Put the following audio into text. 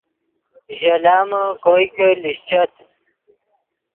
ژے لامے کوئے کہ لیشچت